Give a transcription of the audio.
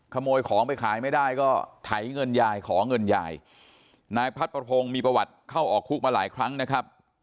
ขโมยของไปขายไม่ได้ก็ไถเงินยายขอเงินยายนายพลัดประพงศ์มีประวัติเข้าออกคุกมาหลายครั้งนะครับ